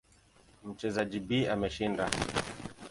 Mchezaji B ameshinda.